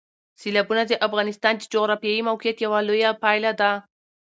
سیلابونه د افغانستان د جغرافیایي موقیعت یوه لویه پایله ده.